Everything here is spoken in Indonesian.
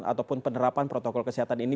ataupun penerapan protokol kesehatan ini